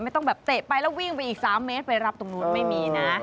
ไม่ต้องแบบเตะไปแล้ววิ่งไปอีก๓เมตรไปรับตรงนู้นไม่มีนะ